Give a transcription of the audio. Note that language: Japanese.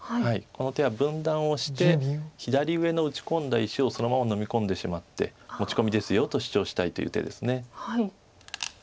この手は分断をして左上の打ち込んだ石をそのままのみ込んでしまって持ち込みですよと主張したいという手です。